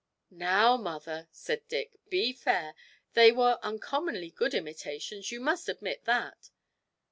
'Now, mother,' said Dick, 'be fair they were uncommonly good imitations, you must admit that!'